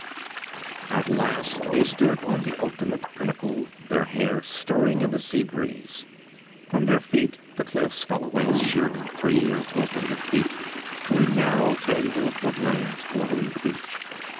At last they stood on the ultimate pinnacle, their hair stirring in the sea wind. From their feet the cliffs fell away sheerly three or four hundred feet to a narrow tangle of woodlands bordering the beach.